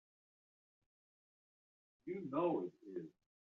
You know it is!